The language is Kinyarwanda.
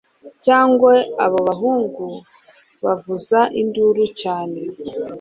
cyangwa abo bahungu bavuza induru cyane